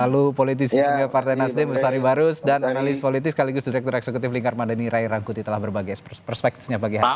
lalu politisi partai nasdem mas ari barus dan analis politik sekaligus direktur eksekutif lingkar mandani ray rangkuti telah berbagi perspektifnya bagi hari ini